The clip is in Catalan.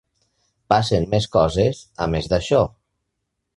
Passen més coses, a més d'això.